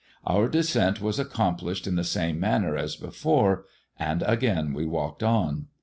Our descent was accomplished in the same manner as before, and again we walked on.